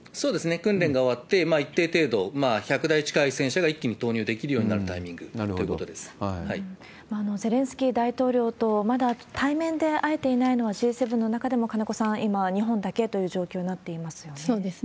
訓練が終わって、一定程度、１００台近い戦車が一気に投入できるようになるタイミングというゼレンスキー大統領と、まだ対面で会えていないのは、Ｇ７の中でも、金子さん、今、日本だけそうですね。